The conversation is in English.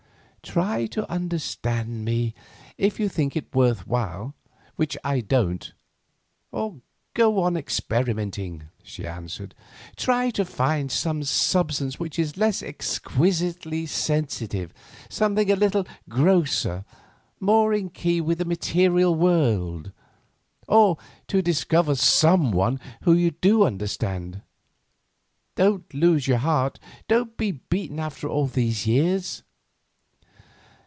"Try to understand me, if you think it worth while, which I don't; or go on experimenting," she answered. "Try to find some substance which is less exquisitely sensitive, something a little grosser, more in key with the material world; or to discover someone whom you do understand. Don't lose heart; don't be beaten after all these years."